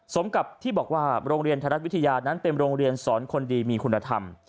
สมกับที่บอกว่าโรงเรียนไทยรัฐวิทยานั้นเป็นโรงเรียนสอนคนดีมีคุณธรรม